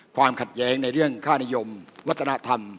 ความขัดแย้งในเรื่องค่านิยมวัฒนธรรม